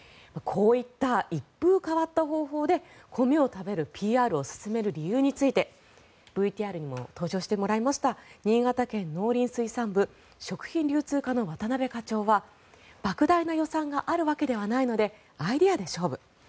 こういった一風変わった方法で米を食べるＰＲを進める理由についてＶＴＲにも登場していただきました新潟県農林水産部食品・流通課渡辺慎一課長はばく大な予算があるわけではないのでアイデアで勝負。